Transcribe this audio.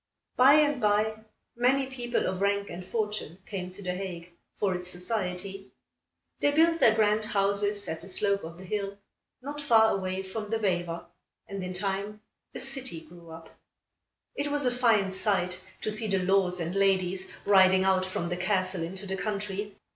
By and by, many people of rank and fortune came to The Hague, for its society. They built their grand houses at the slope of the hill, not far away from the Vijver, and in time a city grew up. It was a fine sight to see the lords and ladies riding out from the castle into the country.